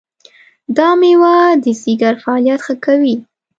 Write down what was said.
دا مېوه د ځیګر فعالیت ښه کوي.